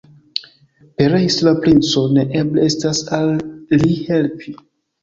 Pereis la princo, ne eble estas al li helpi.